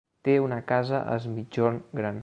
Té una casa a Es Migjorn Gran.